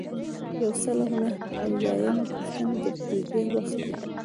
یو سل او نهه اویایمه پوښتنه د بودیجې وخت دی.